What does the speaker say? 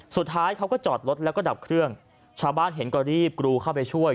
สุดท้ายเขาก็จอดรถแล้วก็ดับเครื่องชาวบ้านเห็นก็รีบกรูเข้าไปช่วย